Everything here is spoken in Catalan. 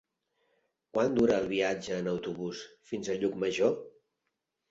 Quant dura el viatge en autobús fins a Llucmajor?